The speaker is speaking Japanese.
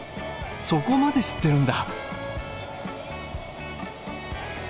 そこまで知ってるんだ。